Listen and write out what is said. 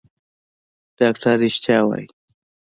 ډاکتر رښتيا وايي.